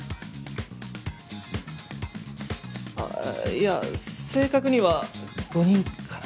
いや正確には５人かな。